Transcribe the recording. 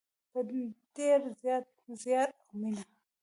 په ډیر زیار او مینه.